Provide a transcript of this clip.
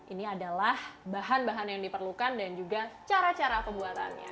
ini adalah bahan bahan yang diperlukan dan juga cara cara pembuatannya